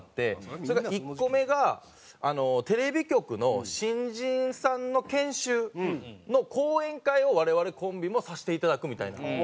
それが１個目がテレビ局の新人さんの研修の講演会を我々コンビもさせていただくみたいな。